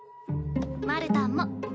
マルタンも。